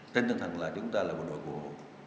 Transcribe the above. thế nên thẳng lại chúng ta là một đội cổ